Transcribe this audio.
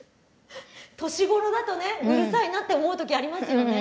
年ごろだとねうるさいなって思う時ありますよね